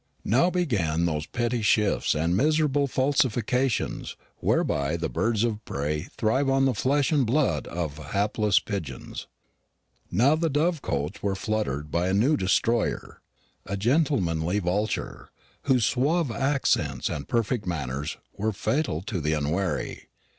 Now began those petty shifts and miserable falsifications whereby the birds of prey thrive on the flesh and blood of hapless pigeons. Now the dovecotes were fluttered by a new destroyer a gentlemanly vulture, whose suave accents and perfect manners were fatal to the unwary.